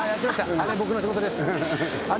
あれ僕の仕事ですあれ